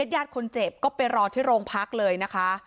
ญาติคนเจ็บก็ไปรอที่โรงพักเลยนะคะ